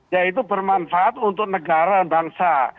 yaitu bermanfaat untuk negara dan bangsa